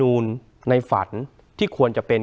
คุณลำซีมัน